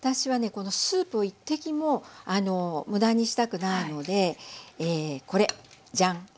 このスープを一滴も無駄にしたくないのでこれジャン！